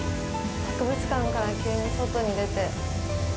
博物館から急に外に出て。